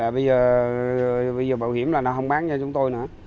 bây giờ bảo hiểm là nó không bán cho chúng tôi nữa